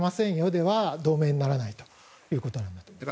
では同盟にならないということです。